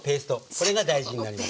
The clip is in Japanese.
これが大事になります。